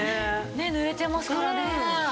ねえ濡れてますからね。